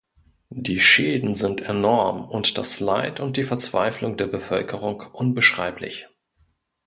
Die Schäden sind enorm und das Leid und die Verzweiflung der Bevölkerung unbeschreiblich.